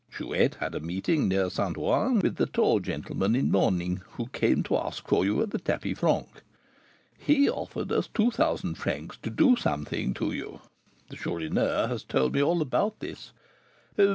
Chouette had a meeting near St. Ouen with the tall gentleman in mourning, who came to ask for you at the tapis franc. He offered us two thousand francs to do something to you. The Chourineur has told me all about this.